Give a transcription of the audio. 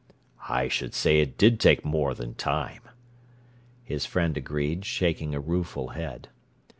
"I should say it did take more than time!" his friend agreed, shaking a rueful head.